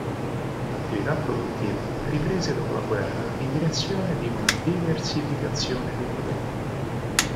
L'attività produttiva riprese dopo la guerra in direzione di una diversificazione dei prodotti.